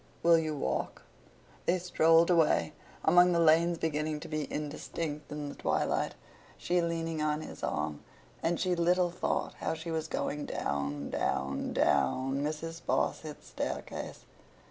Will you walk?' They strolled away, among the lanes beginning to be indistinct in the twilight—she leaning on his arm—and she little thought how she was going down, down, down, Mrs. Sparsit's staircase.